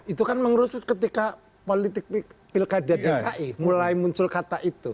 itu kan mengerucut ketika politik pilkada dki mulai muncul kata itu